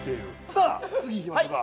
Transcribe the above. さあ次いきましょうか。